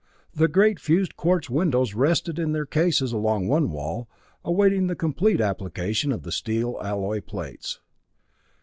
The great fused quartz windows rested in their cases along one wall, awaiting the complete application of the steel alloy plates.